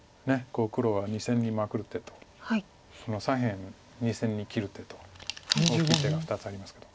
黒は２線にマクる手と左辺２線に切る手と大きい手が２つありますけど。